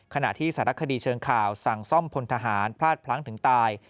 ขณะที่สารคดีเชิงข่าวสั่งซ่อมพลทหารพลาดพลั้งถึงตาย